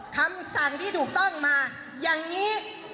คำสั่งที่ถูกต้องมาอย่างนี้